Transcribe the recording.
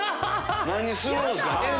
何するんすか？